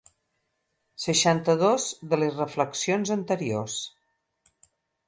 Seixanta-dos de les reflexions anteriors.